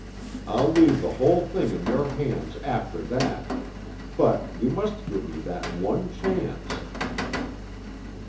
I'll leave the whole thing in your hands after that. But you must give me that one chance."